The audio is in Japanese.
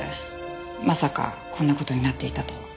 まさかこんな事になっていたとは。